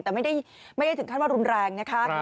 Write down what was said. แต่ไม่ได้ถึงขั้นว่ารุนแรงนะคะ